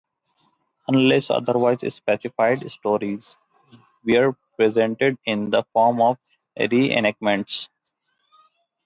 Unless otherwise specified, stories were presented in the form of re-enactments.